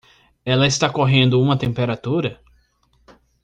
Ela está correndo uma temperatura?